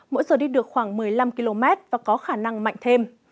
mỗi giờ đi được khoảng một mươi năm km và có khả năng mạnh thêm